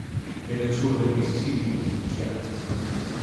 En el sur del Misisipi y Louisiana.